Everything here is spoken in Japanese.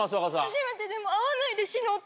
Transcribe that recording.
初めてでも。